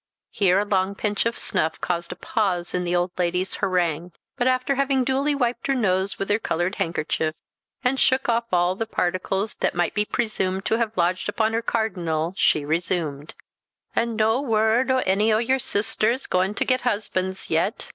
Here a long pinch of snuff caused a pause in the old lady's harangue; but after having duly wiped her nose with her coloured handkerchief, and shook off all the particles that might be presumed to have lodged upon her cardinal, she resumed "An' nae word o' ony o' your sisters gaun to get husbands yet?